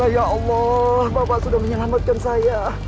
ya allah bapak sudah menyelamatkan saya